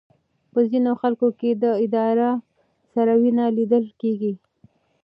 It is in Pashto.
په ځینو خلکو کې د ادرار سره وینه لیدل کېږي.